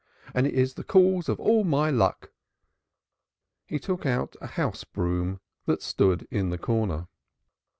"And it is the cause of all my luck." He took up a house broom that stood in the corner.